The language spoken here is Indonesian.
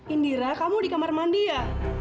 indira kamu di kamar mandi ya